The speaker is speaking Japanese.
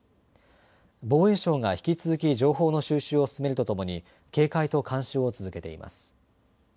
防衛省が引き続き情報の収集を進めるとともに警戒と監視を続けています。